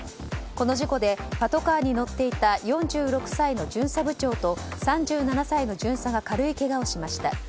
この事故でパトカーに乗っていた４６歳の巡査部長と３７歳の巡査が軽いけがをしました。